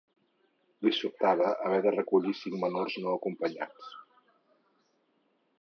Li sobtava haver de recollir cinc menors no acompanyats.